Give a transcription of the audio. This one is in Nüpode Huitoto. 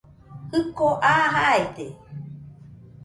Jiko aa jaide